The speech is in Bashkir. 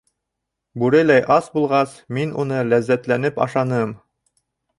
Бүреләй ас булғас, мин уны ләззәтләнеп ашаным.